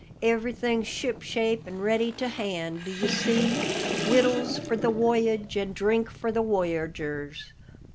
Everything shipshape 'an' ready to hand, d'ye see wittles for the woyage, an' drink for the woyagers.